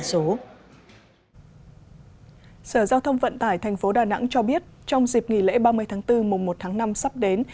sở giao thông vận tải tp đà nẵng cho biết trong dịp nghỉ lễ ba mươi tháng bốn mùng một tháng năm sắp đến